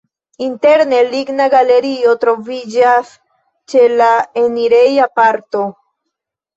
Interne ligna galerio troviĝas ĉe la enireja parto.